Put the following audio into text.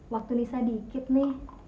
waktu nisa dikit nih